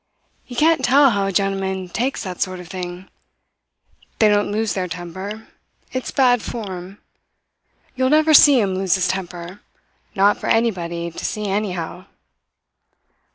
"You can't tell how a gentleman takes that sort of thing. They don't lose their temper. It's bad form. You'll never see him lose his temper not for anybody to see anyhow.